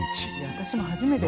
私も初めてよ。